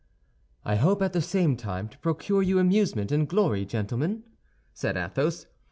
"I hope at the same time to procure you amusement and glory, gentlemen," said Athos.